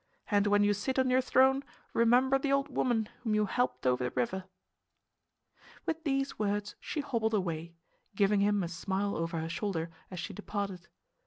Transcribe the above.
And when you sit on your throne remember the old woman whom you helped over the river." With these words she hobbled away, giving him a smile over her shoulder as she departed.